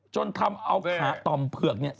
จนทำเอาขาต่อมเผือกเนี่ย